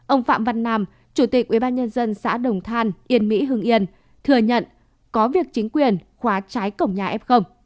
ông phạm văn nam chủ tịch ubnd xã đồng than yên mỹ hưng yên thừa nhận có việc chính quyền khóa trái cổng nhà f